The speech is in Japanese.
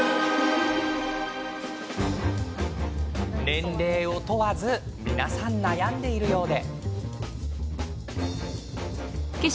年齢を問わず皆さん悩んでいるようで。